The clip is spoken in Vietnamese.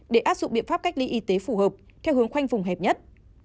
để áp dụng biện pháp cách ly y tế phù hợp theo hướng khoanh vùng hẹp nhất